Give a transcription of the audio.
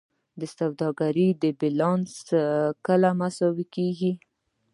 د سوداګرۍ بیلانس کله مساوي کیږي؟